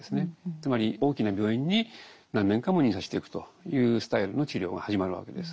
つまり大きな病院に何年間も入院させておくというスタイルの治療が始まるわけです。